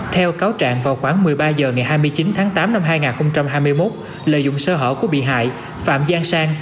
theo cáo trạng vào khoảng một mươi ba h ngày hai mươi chín tháng tám năm hai nghìn hai mươi một lợi dụng sơ hở của bị hại phạm giang sang